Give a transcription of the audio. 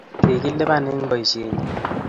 Kikilipan eng' Boishenyin